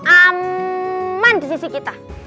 aman di sisi kita